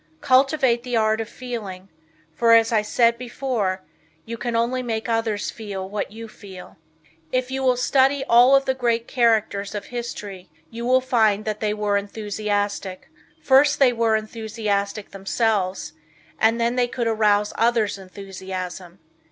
Cultivate the art of feeling, for as I said before you can only make others feel what you feel. If you will study all of the great characters of history you will find that they were enthusiastic. First they were enthusiastic themselves, and then they could arouse others' enthusiasm.